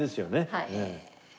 はい。